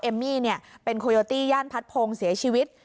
เอมมี่เนี่ยเป็นโคโยตี้ย่านทัตต์พงเสียชีวิต